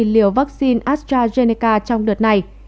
một trăm linh liều vaccine astrazeneca trong đợt này